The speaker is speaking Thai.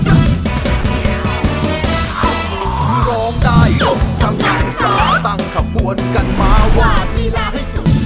ถึงโรงได้ยกกำลังสระตั้งขบวนกันมาวีลาให้สุด